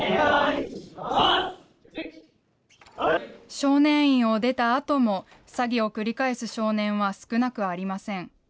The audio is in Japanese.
少年院を出たあとも、詐欺を繰り返す少年は少なくありません。